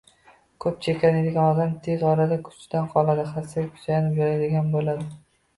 Koʻp chekadigan odam tez orada kuchdan qoladi, hassaga suyanib yuradigan boʻladi